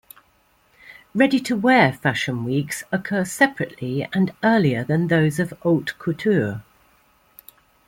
Ready-to-wear fashion weeks occur separately and earlier than those of "haute couture".